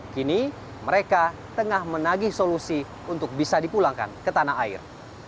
kini mereka tengah menagih solusi untuk bisa dipulangkan ke tanah air